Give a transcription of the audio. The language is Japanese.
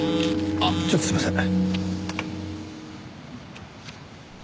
あっちょっとすみません。